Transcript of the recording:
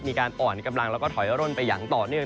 มีการอ่อนกำลังแล้วก็ถอยร่นไปอย่างต่อเนื่อง